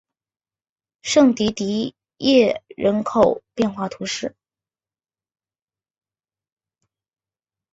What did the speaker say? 圣迪迪耶人口变化图示